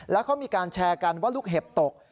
แล้วเขามีการแชร์กันว่าลูกเห็บตก